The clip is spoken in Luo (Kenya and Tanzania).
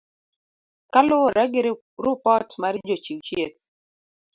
Kaluwore gi rupot mar Jochiw chieth.